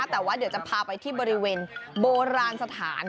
แต่ว่าเดี๋ยวจะพาไปที่บริเวณโบราณสถาน